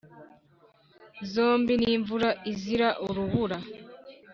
zombi n' imvura izira urubura